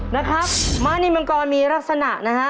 นะครับม้านิมังกรมีลักษณะนะฮะ